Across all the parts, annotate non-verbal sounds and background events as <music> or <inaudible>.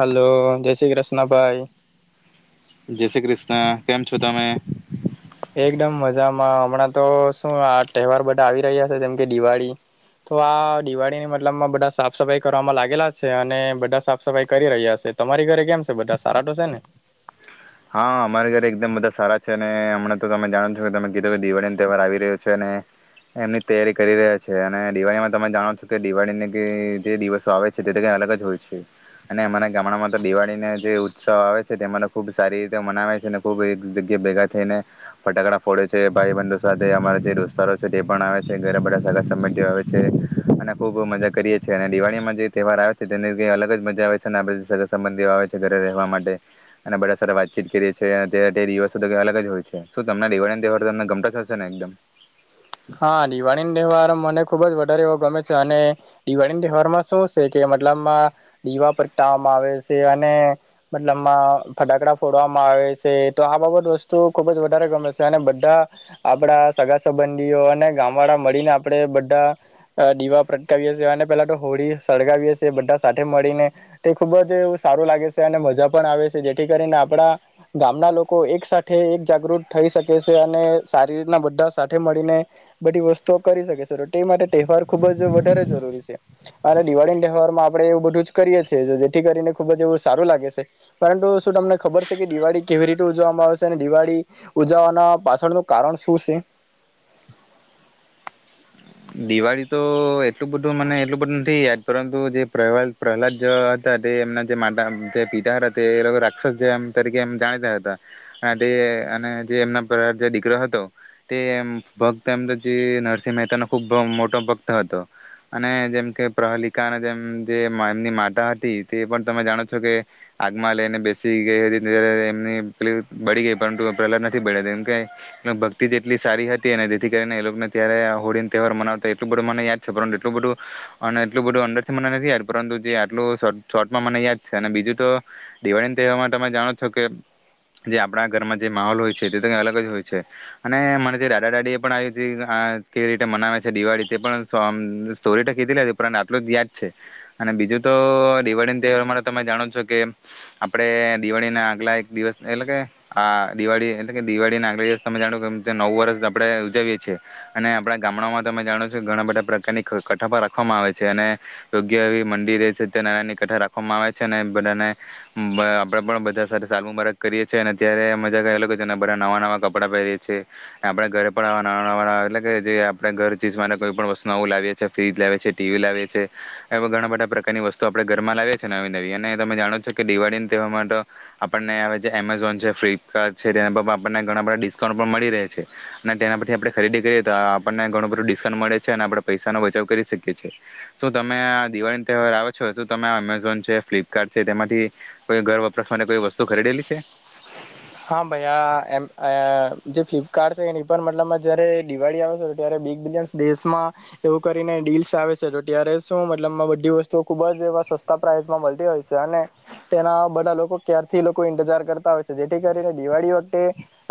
Hello જય શ્રી કૃષ્ણભાઈ. જે શ્રી કૃષ્ણ કેમ છો તમે. એકદમ મજામાં હમણાં તો શું આ તહેવાર બધા આવી રહ્યા છે જેમ કે દિવાળી તો આ દિવાળીની મતલબમાં બધા સાફ સફાઈ કરવામાં લાગેલા છે અને બધા સાફ સફાઈ કરી રહ્યા છે તમારી ઘરે કેમ છે બધા સારા તો છે ને. હા અમારા ઘરે એકદમ બધા સારા છે અને હમણાં તો તમે જાણો છો કે તમે એ તો કે દિવાળીને તહેવાર આવી રહ્યો છે ને એમની તૈયારી કરી રહ્યા છે અને દિવાળીમાં તમે જાણો છો કે દિવાળીને કઈ જે દિવસો આવે છે તે તો કંઈ અલગ જ હોય છે અને અમારા ગામડામાં તો દિવાળીને જે ઉત્સવ આવે છે તેમાને ખુબ સારી રીતે મનાવે છે અને ખુબ એક જગ્યા ભેગા થઈને ફટાકડા ફોડે છે, ભાઈબંધો સાથે અમારા જે દોસ્તારો છે તે પણ આવે છે, ઘરે બધા સગા સંબંધી ઓ આવે છે અને ખુબ મજા કરીએ છીએ અને દિવાળીમાં જે તહેવાર આવે છે તેની ક્ઈ અલગ જ મજા આવે છે અને આ બધ સગા સંબંધી આવે છે ઘરે રહેવા માટે અને બ સાઠે વાતચીત કરીએ છીએ, અત્યારે તે દિવસો તો અલગ જ હોય છે, શું તમને દિવાળીનો તહેવાર તો તમને ગમતો જ હશે ને એકદમ? હા દિવાળીન તહેવાર મને ખુબ જ વધારે એવો ગમે છે અને દિવાળીનતહેવારમાં શું સે કે મતલબમાં દીવા પ્રગટાવામાં આવે સે અને મતલબમાં ફટાકડા ફોડવામાં આવે સે, તો આ બાબત વસ્તુ ખુબ જ વધારે ગમે સે અને બઢા આપડા સગા સંબંધ ધીઓ અને ગામવાળા મળીને આપણે બઢા દીવા પ્રગટાવીએ સીએ અને પેલા તો હોળી સળગાવીએ સે, બઢા સાથે મળીને તે ખુબ જ સારું લાગે સે અને મજા પણ આવે સે, જેઠી કરીને આપડા ગામના લોકો એક સાઠે એક જાગૃત થઈ શકે સે અને સારી રીતના બઢા સાથે મ ળીને બઢી વસ્તુઓ કરી શકે સે, ટો ટે માટે તહેવાર ખુબ જ વધારે જરૂરી સે અને દિવાળી તહેવારમાં આપણે એવું બધું જ કરીએ છીએ, જેથી કરીને ખુબ જ એવું સારું લાગે સે, પરંટુ શું તમને ખબર સે કે દિવાળી કેવી રીતે ઉજવામાં આવે શે અને દિવાળી ઉજવવાના પાછળનું કારણ શું સે?. દિવાળી તો એટલું બધુ મને એટલું બધું નથી યાદ પરંતુ જે પ્રહવા પ્રહલાદ જે હતા તે એમના જે માતા જે પિતા હતા તે એ લોકો રાક્ષસ જે એમ તરીકે એમ જાણીતા હતા, આ તે અને જે એમના પ્ર જે દીકરો હતો તે એમ ભક્ત એમ તો જે નરસિંહ મહેતાનો ખૂબ મોટો ભક્ત હતો અને જેમ કે પ્રહલિકા અને જેમ જે એમાની માતા હતી, તે પણ તમે જાણો છો કે આગમાં લઈને બેસી ગઈ હતી, <unintelligible> એમની પેલી બળી ગેઈ પરંતુ પ્રહલાદ નથી બય્ળા, જેમ કે ભક્તિ જ એટલી સારી હતી અને જેથી કરીને એ લોકને ત્યારે હોળી તહેવાર મનાવતા એટલું બધું મને યાદ છે, પરંટુ એટલું બધું અને એટલું બધું અંદર થી મને નથી યાદ, પરંતુ જે આટલુ શોર્ટ શોર્ટમાં મને યાદ છે અને બીજું તો દિવાળીન તહેવારમાં તમે જાણો જ છો કે જે આપણા ઘરમાં જે માહોલ હોય છે તે તો કંઇ અલગ જ હોય છે અને મને જે દાદા દાદી એ પણ <unintelligible> તે મનાવે છે દિવાળી તે પણ <unintelligible> સ્ટોરી તો કીધી <unintelligible> ને એ પણ આટલું જ યાદ છે અને બીજું તો દિવાળીન તહેવારમા તમે જાણો જ છો કે આપણે દિવાળી ના આગલા એક દિવસ એટલે કે આ દિવાળી એટલે કે દિવાળી ના આગલા દિવસ તમે જાણો કે જાં નવું વર્ષ આપણે ઉજવીએ છીએ અને આપણા ગામડામાં તમે જાણો છો ઘણા બધા પ્રકારની ક કથા પણ રાખવામાં આવે છે અને યોગ્ય એવી મંડીરે છત્યનારાયનની કથા રાખવામાં આવે છે અને બધાને બ આપણે પણ બધા સાથે સાલુબારક કરીએ છીએ અને ત્યારે મજા કરેલો કે જેને બધા નવાં નવા કપડાં પહેરીએ છીએ આપણે ઘરે પણ આવા નવાનવા <unintelligible> એટલે કે જે આપણે ઘર ચીજ મારે કોઈપણ વસ્તુ નવું લાવીએ છે, ફ્રીજા લાવીએ છે, ટી વી લાવીએ છે, એવા ઘણા બઢા પ્રકારની વસ્તુઓ આપણે ઘરમાં લાવીએ છીએ નવી નવી અને તમે જાણો જ છો કે દિવાળીન તહેવાર માં તો આપણને હવે જે એમેઝોન છે, ફ્લિપકાર્ટ છે તેના પર પણ આપણને ઘણા બધા ડિસ્કાઉન્ટ પણ મળી રેહ છે અને તેના પરથી આપણે ખરીદી કરીએ તો આ પણને ઘણું બધું ડિસ્કાઉન્ટ મળે છે અને આપણા પૈસાનો બચાવ કરી શકીએ છીએ. શું તમે આ દિવાળી નતહેવાર આવે છે, તો તમે અમેઝોન છે, ફ્લિપકાર્ટ છે તેમાંથી કોઈ ઘર વપરાસ માટે કોઈ વસ્તુ ખરીદેલી છે? હા ભાઈ આ એમ અ જે ફ્લિપકાર્ટ સે એની પર મતલબ માં જયારે દિવાળી આવે સે, ત્યારે બિગ બિલયન્સ દેશમાં એવું કરીને ડીલ્સ આવે સે, જો ત્યારે શું મતલબમાં બઢી વસ્તુઓ ખુબ જ એવા સસ્તા પ્રાઇસમાં મલતી હોય છે‌ અને તેના બધા લોકો ક્યારથી લોકો ઇંતજાર કરતા હોય છે, જે થી કરીને દિવાળી વખટે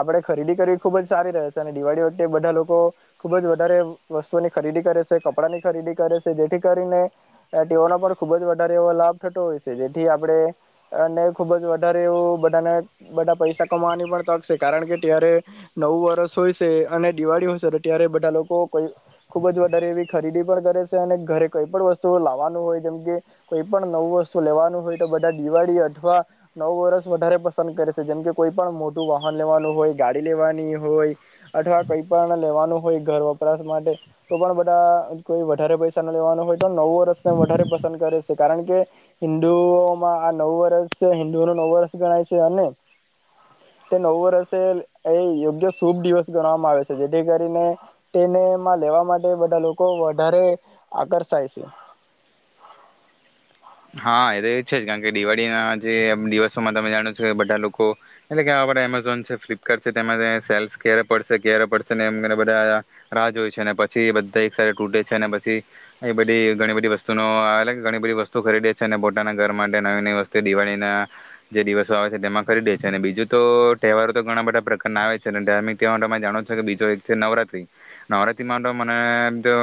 આપણે ખરીદી કરવી ખૂબ જ સારી રહે છે અને દિવાળી વખતે બધા લોકો ખૂબ જ વધારે વસ્તુઓની ખરીદી કરે સે, કપડાંની ખરીદી કરે સે, જેથી કરીને તેઓનો પણ ખૂબ જ વધારે એવો લાભ થતો હોય સે, જેથી આપણે અને ખૂબ જ વધારે એવું બઢાને બઢા પૈસા કમાવાની પણ તક સે, કારણ કે ત્યારે નવું વર્ષ હોય સે અને દિવાળી હોય સે, તો ત્યારે બધા લોકો કોઈ ખુબ જ વધારે એવી ખરીદી પણ કરે સે અને ઘરે કઈ પણ વસ્તુઓ લાવવાનું હોય, જેમ કે કોઈ પણ નવું વસ્તુ લેવાનું હોય તો બધા દિવાળી અથવા નવું વરસ વધારે પ સંદ કરે સે, જેમકે કોઈ પણ મોટું વાહન લેવાનું હોય, ગાડી લેવાની હોય અથવા કઈ પણ લેવાનું હોય ઘર વપરાશ માટે, તો પણ બધા કોઈ વધારે પૈસા ન લેવાનું હોય તો નવું વરસને વધારે પસંદ કરે સે, કારણ કે હિન્દુઓમાં આ નવું વરસ હિન્દુઓનું નવું વરસ ગણાય સે અને તે નવું વરસ એ એ યોગ્ય શુભ દિવસ ગણવામાં આવે સે, જેથી કરીને તેનેમાં લેવા માટે બધા લોકો વધારે આકર્ષાય સે. હા એ તો એ જ છે, કાણ કે દિવાળીના જે દિવસોમાં તમે જાણો છો કે બઢા લોકો એટલે કે આ બઢા એમેઝોન છે, ફ્લિપકાર્ટ છે તેમાં <unintelligible> સેલ્સ ક્યારે પડશે ક્યારે પડશે ને એમ બધા રાહ જોય છે‌ નેપછી એ બધા એક સાથે તૂટે છે અને પછી એ બધી ઘણી બધી વસ્તુનો <unintelligible> ઘણી બધી વસ્તુ ખરીદે છે અને પોતાના ઘર માટે નવી નવી વસ્તે દિવાળીના જે દિવસો આવે છે, તેમાં ખરીદે છે અને બીજું તો તહેવારો તો ઘણા બધા પ્રકારના આવે છે અને ધાર્મિક તહેવારોમાં તમે જાણો છો કે બીજો એક છે નવરાત્રી, નવરાત્રીમાં તો મને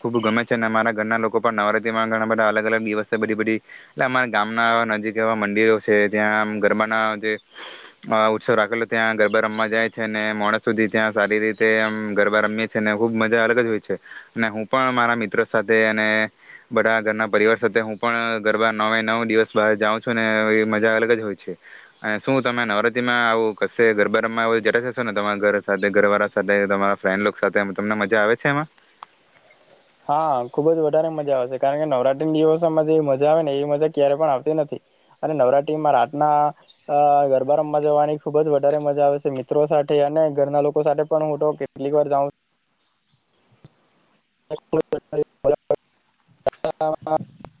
ખૂબ ગમે છે અને અમારા ઘરના લોકો પણ નવરાત્રીમાં ઘણા બધા અલગ અલગ દિવસે બધી બધી એટલે અમારા ગામના નજીક એવા મંદિરો છે, ત્યાં આમ ગરબાના જે ઉત્સવ રાખેલો, ત્યાં ગરબા રમવા જાય છે ને મોડે સુધી ત્યાં સારી રીતે આમ ગરબા રમીએ છે ને ખુબ મજા અલગ જ હોય છે અને હું પણ મારા મિત્રો સાથે અને બઢા ઘરના પરિવાર સાથે હું પણ ગરબા નવે નવ દિવસ બહાર જાઉં છું ને એવી મજા અલગ જ હોય છે અને શું તમે નવરાત્રીમાં આવું કશે ગરબા રમવા <unintelligible> જટ જશો ને તમારા ઘર સાથે ઘરવાળા સાથે તમારા ફ્રેન્ડ લોક સાથે તમને મજા આવે છે એમાં? હા ખુબ જ વધારે મજા આવે છે કારણ કે નવરાત્રી ના દિવસોમાં જે મજા આવે ને એવી મજા ક્યારે પણ આવતી નથી અને નવરાત્રીમાં રાતના ગરબા રમવા જવાની ખુબ જ વધારે મજા આવે છે. મિત્રો સાથે અને ઘરના લોકો સાથે પણ હું તો કેટલીક વાર જાઉં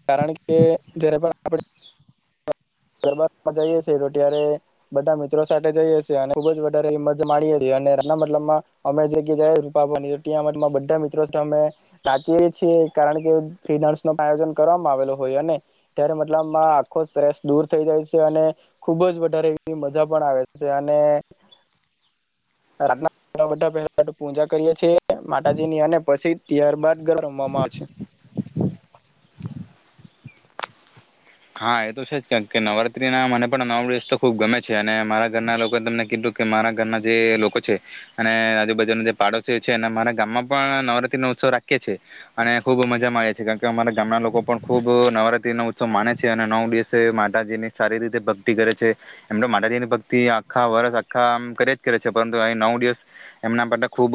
કારણ કે જારે પણ જ તો ત્યારે બધા મિત્રો સાથે જઈએ અને ખુબ જ વધારે મજ માણીએએ અને એના મતલબમાં અમે રૂપા ત્યાં બધા મિત્રો અમે વાચીએ છીએ કારણ કે ફ્રી ડાન્સ ન પણ આયોજન કરવામાં આવેલ હોય. અને ત્યારે મતલબમાં આખો જ ત્રેસ દૂર થઈ જાય છે. અને ખુબ જ વધારે એવી મજા પણ આવે છે. અને રાતના બા પહેલા પૂજા કરીએ છેએ માતાજી ની અને પછી ત્યારબાદ ગર રમવામાં આવે છે. હા એ તો છે. જ કે નવરાત્રી ના મને પણ નવ દિવસ તો ખુબ ગમે છે. અને મારા ઘરના લોકો તમને કીધું કે મારા ઘરના જે લોકો છે. અને આજુબાજુ ના જે પાડોશી છે એને મારા ગામમાં પણ નવરાત્રી નો ઉત્સવ રાખીએે છે. અને ખુબ મજા મા આવે છે. કારણ કે મારા ગામના લોકો પણ ખુબ નવરાત્રી નો ઉત્સવ માને છે. અને નવ દિવસે માતાજી ની સારી રીતે ભક્તિ કરે છે. એમ તો માતાજીની ભક્તિ આખા વર્ષ આખામ કરે જ કરે છે. પરંતુ અહી નવ દિવસ એમના માટે ખૂબ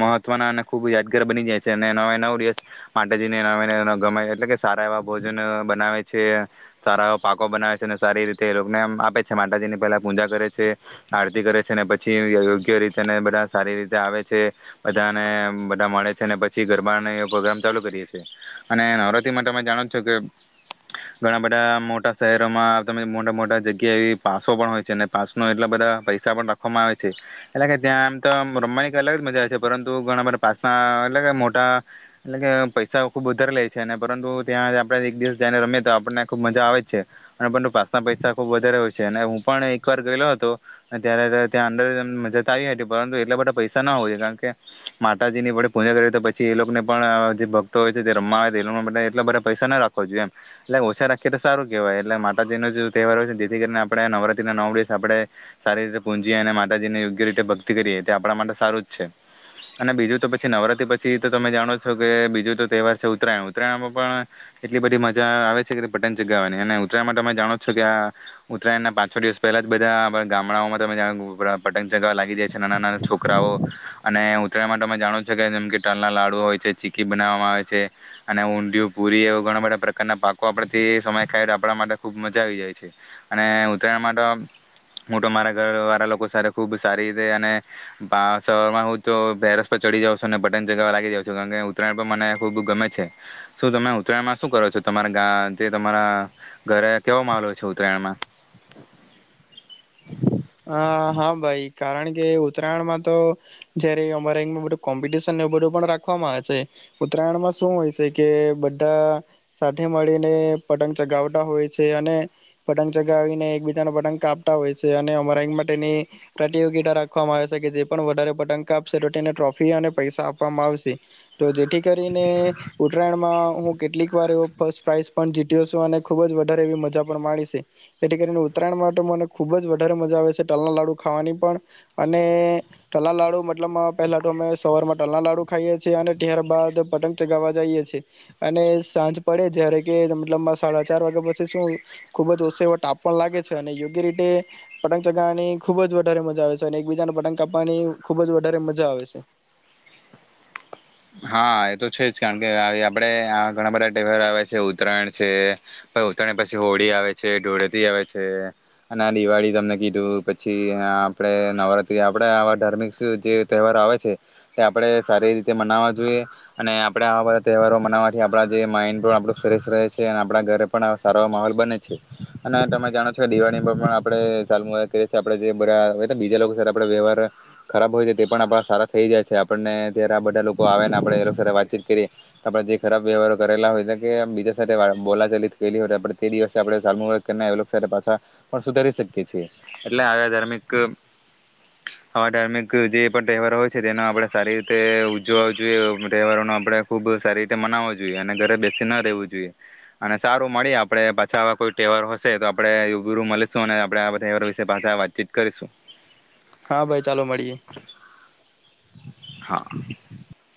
મહત્વના અને ખૂબ યાદગાર બની જાય છે. અને નવે નવ દિવસ માતાજીને ન ગ એટલે કે સારા એવા ભોજન બનાવે સારા પાકો બનાવે છે. સારી રીતેને આપે છે માતાજી ની પહેલા પૂજા કરે છે. આરતી કરે છે ને પછી યોગ્ય રીતે બધા સારી રીતે આવે છે. બધાને બધા મળે છે. પછી ગરબા પ્રોગ્રામ ચાલુ કરીએ છે. અને નવરાત્રી માટે તમે જાણો છો કે ઘણા બધા મોટા શહેરોમાં તમે મોટા મોટા જગ્યા એ પાસો પણ હોય છે. પાસ ન એટલા બધા પૈસા પણ રાખવામાં આવે છે. એટલે કે ત્યાં આમ તો રમવાની અલગ જ મજા આવે છે. પરંતુ ઘણા બધા પાસના એટલે મોટા એટલે કે પૈસા ખુબ વધારે લે છે. અને પરંતુ ત્યાં આપડ એક દિવસ તંને રમે તો આપણને ખુબ મજા આવે જ છે. અને આપ પાસના પૈસા ખુબ વધારે હોય છે. અને હું પણ એકવાર ગયેલો હતો. અને ત્યારે ત્યાં અંદર મજા આવી હતી પરંતુ એટલા બધા પૈસા ના હોવ જોએ કારણ કે માતાજીની વડે પૂજા કરી તો પછી એ લોકોને પણ જે ભક્તો હોય છે. તે રમવા આવે એ લોકો એટલા બધા પૈસા ના રાખવાો જોઈએ. એમ એટલે ઓછા રાખીએ તો સારું કેહેવાય. એટલે માતાજીનો તહેવાર હોય. ને જેથી કરીને આપણે નવરાત્રી ના નવ દિવસ આપડણે સારી રીતે પૂજીએ અને માતાજી ને યોગ્ય રીતે ભક્તિ કરીએ તે આપણા માટે સારું જ છે. અને બીજું તો પછી નવરાત્રી પછી તો તમે જાણો છો કે બીજું તો તહેવાર છે. ઉત્તરાયણ ઉત્તરાયણ માં પણ એટલી બધી મજા આવે છે. પતંગ ચગાવવાની અને ઉત્તરાયણ માટે અમે જાણો છો કે આ ઉત્તરાયણ ના પાંચ છો દિવસ પહેલા જ બધા ગામડાઓમાં તમે પતંગ ચગાવવા લાગી જાય છે. નાના નાના છોકરાઓ અને ઉત્તરાયણ માટે અમે જાણો છો કે જેમ કે ટાલના લાડુ હોય છે. ચીકી બનાવામાં આવે છે. અને ઊડયું પુરી એવા ઘણા બધા ના પાકો આપણેથી સમય ખાય આપણા માટે ખૂબ મજા આવી જાય છે. અને ઉત્તરાયણમાં તો હું તો મારા ઘર વાળા લોકો સાથે ખૂબ સારી રીતે અને શરમાં હું તો ભેરસ પર ચડી જાઉં છું. અને બટન ચગાવવા લાગી જાઉં છું કારણ કે ઉત્તરાયણ પણ મને ખૂબ ગમે છે. શું તમે ઉત્તરાયણમાં શું કરો છો? તમારા ગા જે તમારા ઘરે કેવો માહોલય છે. ઉત્તરાયણમાં હ હા ભાઈ. કારણ કે ઉત્તરાયણમાં તો જયારે અમારે બું કોમ્પિટિશનવ બધું પણ રાખવામાં આવે છે. ઉત્તરાયણમાં શું હોય છે. કે બધા સાથે મળીને પતંગ ચગાવતા હોય છે. અને પતંગ ચગાવીને એકબીજાને પતંગ કાપતા હોય છે. અને ની પ્રતિયોગિતા રાખવામાં આવે છે. કે જે પણ વધારે પતંંગ આપશે તો તેને ટ્રોફી અને પૈસા આપવામાં આવશે. તો જેથી કરીને ઉત્તરાયણમાં હું કેટલીક વાર એવ ફસ્ટ પ્રાઈઝ પણ જીત્યો છું અને ખુબ જ વધારે એવી મજા પણ મા છે. જેથી કરીને ઉતયણ માટે મને ખુબ જ વધારે મજા આવે છે. ટલના લાડુ ખાવાની પણ અને ટલા લાડુ મતલબમાં પહેલા તો અમે સવારમાં ટલના લાડુ ખાઈએ છીએ. અને ત્યારબદ પતંગ ચગાવવા જઈએ છીએ અને સાંજ પડે જ્યારે કે મતલબ સાડા ચાર વાગે પછ શું ખુબ જ ઓછ એ ટાપ પણ લાગે છે. અને યોગ્ય રીતે પતંગ ચગાવવાની ખુબ જ વધારે મજા આવે છે. અને એકબીજાને પતંગ કાપવાની ખુબ જ વધારે મજા આવે છે. હા એ તો છે જ કારણ કે આપડે ઘણા બધા તહેવાર આવે છે. ઉત્તરાયણ છે પ ઉત્તરાયણ પછી હોળી આવે છે ધુળેટી આવે છે. અને દિવાળી તમને કીધું પછી આપણે નવરાત્રી આપડ આવા ધાર્મિક જે તહેવારો આવે છે. એ આપણે સારી રીતે મનાવા જોઈએ અને આપણેે આવા બધા તહેવારો મનાવવાથી આપણા જે માઈન્ડ પણ આપું ફ્રેશ રહે છે અને આપણા ઘરે પણ સારો માહોલ બને છે. અને તમે જાણો છો કે દિવાળીમાં પણ આપણેાલએ છી આપણે જે બધ હો બીજા લોકો આપ વ્યવહાર ખરાબ હોય છે. તે પણ આપ સારા થઈ જાય છે. આપણને ત્યારે આ બધા વાતચીત કરીએ આપણે જે ખરાબ વ્યવહારો કરેલા હોય કે બીજા સાથે બોલાચલિત કરલી હોય તે દિવસે આપણે પાછા પણ સુધારી શકીએ છીએ. એટલે આ ધાર્મિક આવા ધાર્મિક જે પણ તહેવારો હોય છે. તે આપણે સારી રીતે જોવા જોઈએ તહેવારો આપડણે ખુબ સારી રીતે મનાવવો જોઈએ અને ઘરે બેસી ના રહેવું જોઈએ. અને સારું મળીએ આપણે પાછા આવા કોઈ તહેવાર હશે તો આપણે બી રું મળીશું અને આપે આવા તહેવારો વિશે પાછા વાતચીત કરીશું. હા ભાઈ ચાલો મળીએ‌. <inaudible>